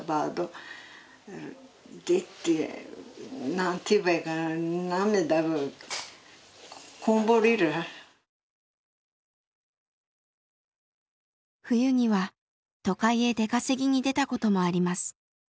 何て言えばいいかな冬には都会へ出稼ぎに出たこともあります。